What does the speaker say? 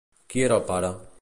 Qui era el pare?